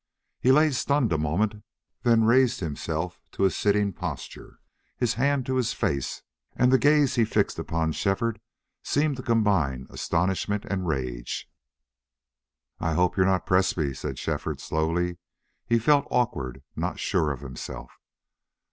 He lay stunned a moment, then raised himself to a sitting posture, his hand to his face, and the gaze he fixed upon Shefford seemed to combine astonishment and rage. "I hope you're not Presbrey," said Shefford, slowly. He felt awkward, not sure of himself.